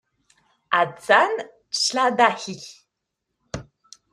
Attan claḍa-ik.